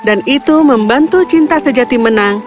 dan itu membantu cinta sejati menang